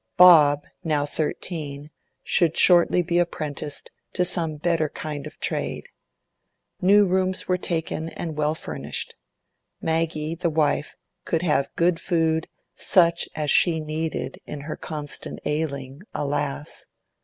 Bob, now thirteen, should shortly be apprenticed to some better kind of trade. New rooms were taken and well furnished. Maggie, the wife, could have good food, such as she needed in her constant ailing, alas!